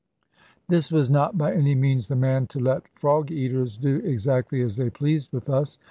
This was not by any means the man to let frog eaters do exactly as they pleased with us.